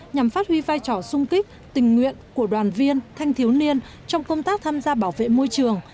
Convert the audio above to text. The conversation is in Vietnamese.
nhằm phát huy vai trò sung kích tình nguyện của đoàn viên thanh thiếu niên trong công tác tham gia bảo vệ môi trường